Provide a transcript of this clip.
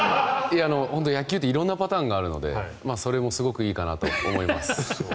野球って色々なパターンがあるのでそれもすごくいいと思います。